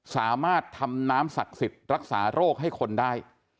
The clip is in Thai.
สามารถทำน้ำศักดิ์สิทธิ์รักษาโรคให้คนได้